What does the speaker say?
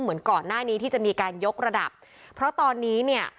เหมือนก่อนหน้านี้ที่จะมีการยกระดับเพราะตอนนี้เนี่ย